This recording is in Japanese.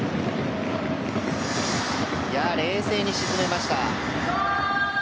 冷静に沈めました。